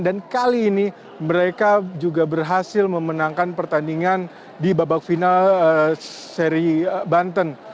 dan kali ini mereka juga berhasil memenangkan pertandingan di babak final seri banten